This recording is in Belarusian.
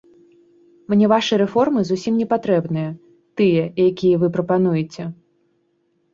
Мне вашы рэформы зусім не патрэбныя, тыя, якія вы прапануеце!